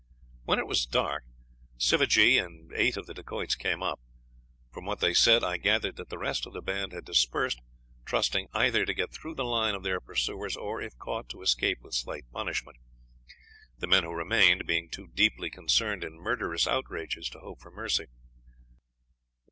When it was dusk, Sivajee and eight of the Dacoits came up. From what they said, I gathered that the rest of the band had dispersed, trusting either to get through the line of their pursuers, or, if caught, to escape with slight punishment, the men who remained being too deeply concerned in murderous outrages to hope for mercy.